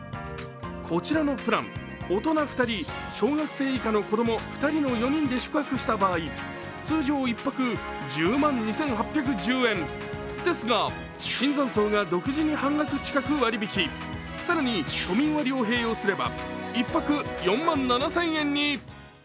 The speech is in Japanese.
こちらのプラン、大人２人小学生以下の子供２人の４人で宿泊した場合、通常１泊１０万２８１０円ですが椿山荘が独自に半額近く割引、更に都民割を併用すれば、１泊４万７０００円に。